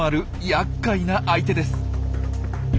やっかいな相手です。